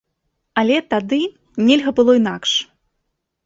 Але тады нельга было інакш.